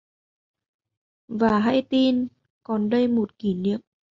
Và hãy tin: còn đây một kỷ niệm